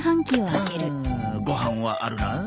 うんご飯はあるな。